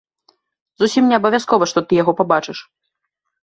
Зусім неабавязкова, што ты яго пабачыш.